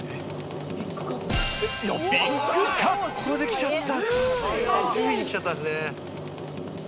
ここできちゃった。